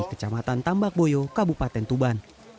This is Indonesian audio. kecamatan tambak boyo kabupaten tuban